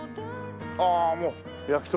ああもう焼き鳥。